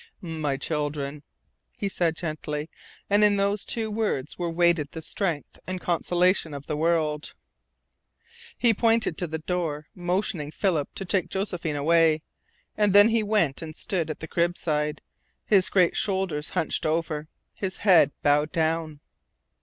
"My children," he said gently, and in those two words were weighted the strength and consolation of the world. He pointed to the door, motioning Philip to take Josephine away, and then he went and stood at the crib side, his great shoulders hunched over, his head bowed down.